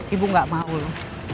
ibu gak mau loh